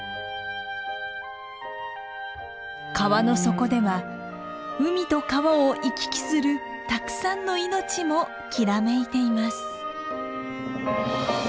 川の底では海と川を行き来するたくさんの命もきらめいています。